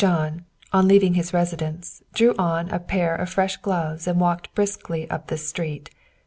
JOHN, on leaving his residence, drew on a pair of fresh gloves and walked briskly up the street.